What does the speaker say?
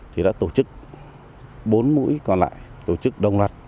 thì đã tổ chức bốn mũi còn lại tổ chức đồng loạt